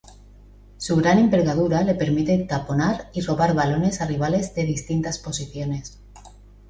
Su gran envergadura le permite taponar y robar balones a rivales de distintas posiciones.